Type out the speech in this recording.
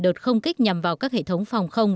đợt không kích nhằm vào các hệ thống phòng không